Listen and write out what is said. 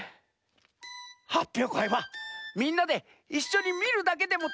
はっぴょうかいはみんなでいっしょにみるだけでもたのしいざんす。